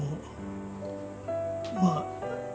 まあ